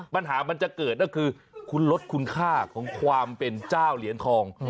ปัญหามันจะเกิดก็คือคุณลดคุณค่าของความเป็นเจ้าเหรียญทอง